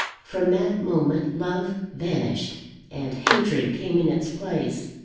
From that moment, love vanished, and hatred came in its place.